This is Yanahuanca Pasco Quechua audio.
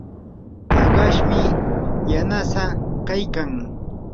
ahashmi yanasaa kaykan.